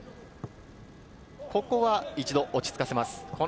ここは一度落ち着かせます。